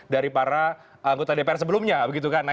dari para anggota dpr sebelumnya begitu kan